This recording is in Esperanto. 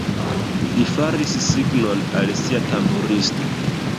Li faris signon al sia tamburisto.